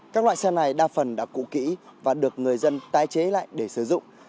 các loại xe này đa phần đã cụ kỹ và được người dân tái chế lại để sử dụng